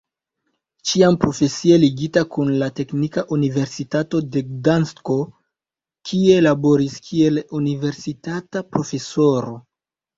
Ĉiam profesie ligita kun la Teknika Universitato en Gdansko, kie laboris kiel universitata profesoro.